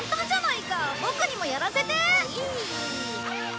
ボクにもやらせて！